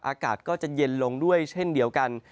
อากาศก็จะเย็นลงด้วยเช่นเดียวกัน